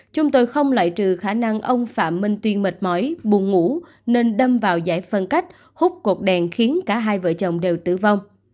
chúng tôi không loại trừ khả năng ông phạm minh tuyên mệt mỏi buồn ngủ nên đâm vào giải phân cách hút cột đèn khiến cả hai vợ chồng đều tử vong